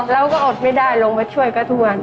เราก็อดไม่ได้ลงไปช่วยก็ทวน